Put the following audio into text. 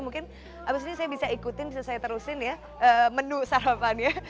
mungkin abis ini saya bisa ikutin bisa saya terusin ya menu sarapannya